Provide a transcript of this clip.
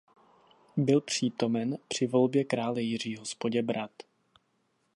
Byl přítomen při volbě krále Jiřího z Poděbrad.